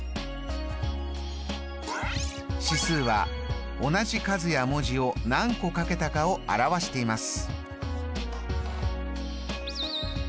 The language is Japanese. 指数は同じ数や文字を何個かけたかを表しています。